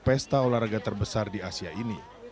pesta olahraga terbesar di asia ini